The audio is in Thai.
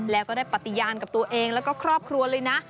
แล้วก็ได้ปฏิญาณกับตัวเองแล้วก็ครอบครัวเลยนะ